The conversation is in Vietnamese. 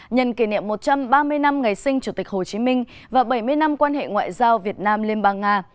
nhận kỷ niệm một trăm ba mươi năm ngày sinh chủ tịch hồ chí minh và bảy mươi năm quan hệ ngoại giao việt nam liên bang nga